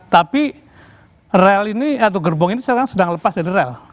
tapi rel ini atau gerbong ini sekarang sedang lepas dari rel